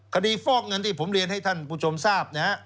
ฟอกเงินที่ผมเรียนให้ท่านผู้ชมทราบนะฮะ